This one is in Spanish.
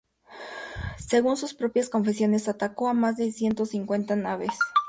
Según sus propias confesiones, atacó a más de ciento cincuenta naves.